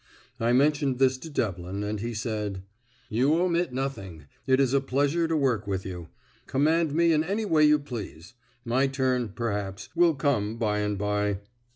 I mentioned this to Devlin, and he said, "You omit nothing; it is a pleasure to work with you. Command me in any way you please. My turn, perhaps, will come by and by."